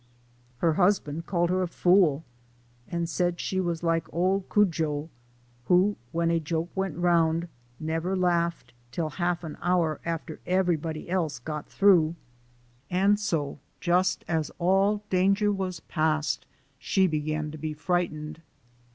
" Her husband called her a fool, and said she was like old Cudjo, who when a joke went round, never laughed till half an hour after everybody else got through, and so just as all danger was past she be 16 SOME SCENES IN THE gan to be frightened.